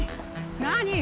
何？